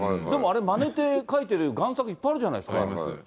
でもあれ、まねて書いてる贋作、いっぱいあるじゃないですか。